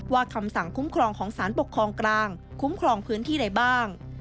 คำสั่งคุ้มครองของสารปกครองกลางคุ้มครองพื้นที่ใดบ้าง